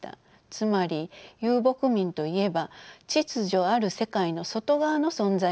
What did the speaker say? つまり遊牧民といえば秩序ある世界の外側の存在なのです。